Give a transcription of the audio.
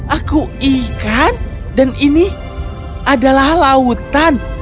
aku ikan dan ini adalah lautan